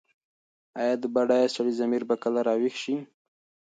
ایا د بډایه سړي ضمیر به کله راویښ شي؟